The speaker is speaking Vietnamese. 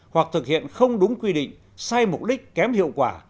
hoặc thực hiện không đúng quy định sai mục đích kém hiệu quả